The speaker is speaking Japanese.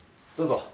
どうぞ。